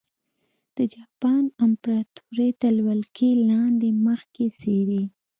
د جاپان امپراتورۍ تر ولکې لاندې مخکښې څېرې.